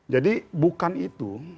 jadi bukan itu